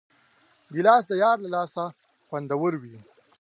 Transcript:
ګیلاس د یار له لاسه خوندور وي.